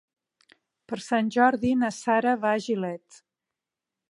Per Sant Jordi na Sara va a Gilet.